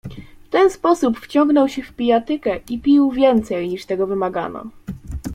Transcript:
"W ten sposób wciągnął się w pijatykę i pił więcej, niż tego wymagano."